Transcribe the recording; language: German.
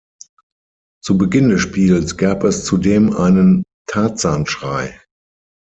Zu Beginn des Spiels gab es zudem einen Tarzan-Schrei.